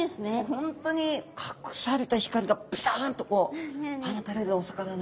本当に隠された光がピカンとこう放たれるお魚なんですね。